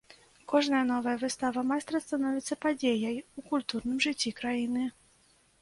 Кожная новая выстава майстра становіцца падзеяй у культурным жыцці краіны.